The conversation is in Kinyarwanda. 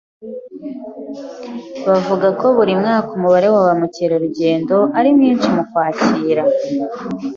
Bavuga ko buri mwaka umubare wa ba mukerarugendo ari mwinshi mu Kwakira.